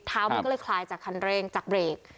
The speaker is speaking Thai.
มันก็เลยคลายจากคันเร่งจากเบรก